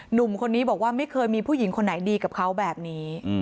หนุ่มคนนี้บอกว่าไม่เคยมีผู้หญิงคนไหนดีกับเขาแบบนี้